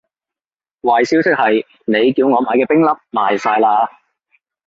壞消息係，你叫我買嘅冰粒賣晒喇